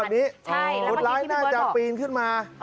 คนร้ายมาจากพีนขึ้นมา